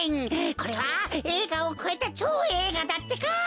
これはえいがをこえたちょうえいがだってか！